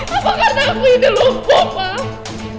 apa karena aku ini lumpuh pak